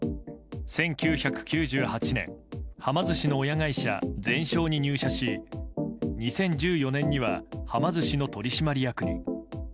１９９８年、はま寿司の親会社ゼンショーに入社し２０１４年にははま寿司の取締役に。